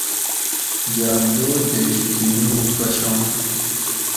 گاۤن دور کہ کھیکی مُوک پشام